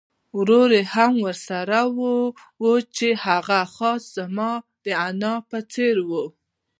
وراره یې هم ورسره وو چې هغه خاص زما د انا په څېر وو.